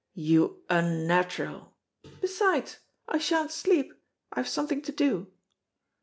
"You unnatural " "Besides, I sha'n't sleep, I have something to do."